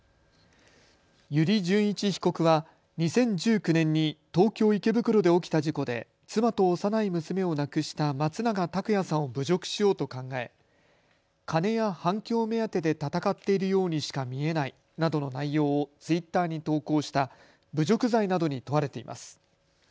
油利潤一被告は２０１９年に東京池袋で起きた事故で妻と幼い娘を亡くした松永拓也さんを侮辱しようと考え金や反響目当てで闘っているようにしか見えないなどの内容をツイッターに投稿した侮辱罪などに問われています。